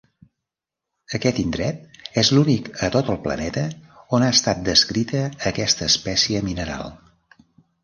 Aquest indret és l'únic a tot el planeta on ha estat descrita aquesta espècie mineral.